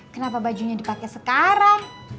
kenapa bajunya dipake sekarang